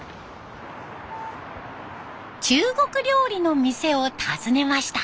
中国料理の店を訪ねました。